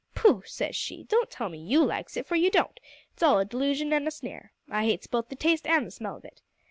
`Pooh!' says she, `don't tell me you likes it, for you don't! It's all a d'lusion an' a snare. I hates both the taste an' the smell of it.'